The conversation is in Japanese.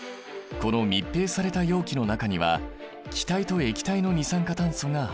この密閉された容器の中には気体と液体の二酸化炭素が入っている。